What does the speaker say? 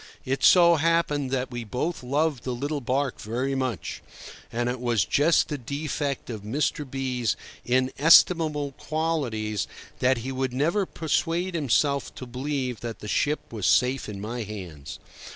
It so happened that we both loved the little barque very much. And it was just the defect of Mr. B—'s inestimable qualities that he would never persuade himself to believe that the ship was safe in my hands.